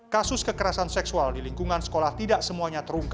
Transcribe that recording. kasus kekerasan seksual di lingkungan sekolah tidak semuanya terungkap